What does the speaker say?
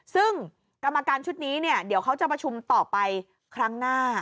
ซึ่งกรรมการชุดนี้เนี่ยเดี๋ยวเขาจะประชุมต่อไปครั้งหน้า